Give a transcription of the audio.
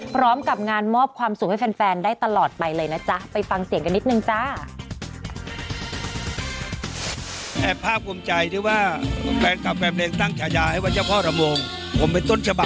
พร้อมกับงานมอบความสุขให้แฟนได้ตลอดไปเลยนะจ๊ะ